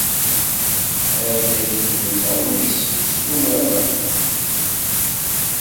Ha-t-a Yillu-nneɣ, ur issusum ara.